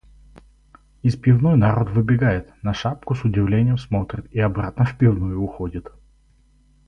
Из пивной народ выбегает, на шапку с удивлением смотрит и обратно в пивную уходит.